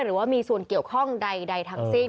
หรือว่ามีส่วนเกี่ยวข้องใดทั้งสิ้น